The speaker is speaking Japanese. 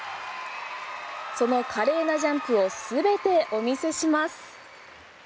その華麗なジャンプを全てお見せします。